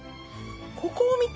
ここを見て。